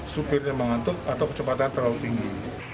supirnya mengantuk atau kecepatan terlalu tinggi